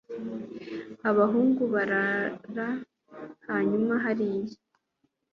abahungu barara hanyuma hariya